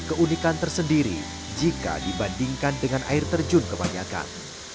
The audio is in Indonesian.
keunikan tersendiri jika dibandingkan dengan air terjun kebanyakan